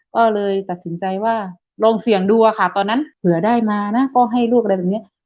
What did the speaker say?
ก็เลยตัดสินใจว่าลองเสี่ยงดูอะค่ะตอนนั้นเผื่อได้มานะก็ให้ลูกอะไรแบบนี้